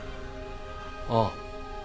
ああ。